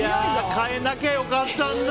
変えなきゃ良かったんだ。